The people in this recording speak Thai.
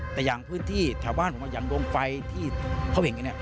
แต่อย่างพื้นที่แถวบ้านผมอย่างดวงไฟที่เขาเห็นกันเนี่ย